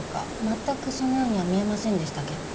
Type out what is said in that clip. まったくそのようには見えませんでしたけど。